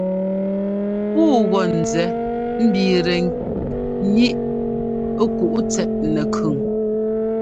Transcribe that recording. Puu gɔ́ nzɛ mbiitɛ ŋíʼ kǔ tsɛt nɛkʉn.